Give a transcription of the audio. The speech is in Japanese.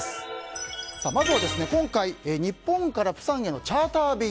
まずは今回、日本から釜山へのチャーター便